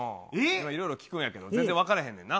いろいろ聞くんやけど全然分分からへんの？